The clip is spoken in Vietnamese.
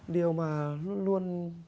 điều mà luôn